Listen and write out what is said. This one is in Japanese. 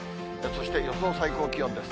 そして予想最高気温です。